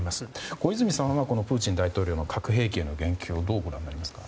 小泉さんはプーチン大統領の核兵器への言及をどうご覧になりますか？